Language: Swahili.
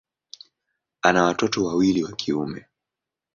Ana watoto wawili wa kiume.